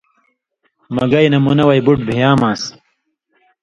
مہ گئ نہ منہ وئ بٹُو بھیامان٘س